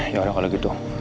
yaudah kalo gitu